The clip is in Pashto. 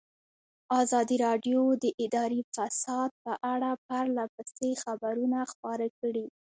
ازادي راډیو د اداري فساد په اړه پرله پسې خبرونه خپاره کړي.